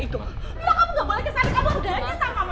kamu kerja sama mama